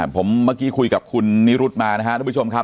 ผมเมื่อกี้คุยกับคุณนิรุธมานะครับทุกผู้ชมครับ